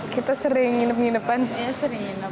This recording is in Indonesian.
kita sering nginep nginepan sih